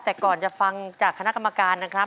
แต่ก่อนจะฟังจากคณะกรรมการนะครับ